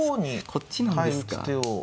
こっちなんですか。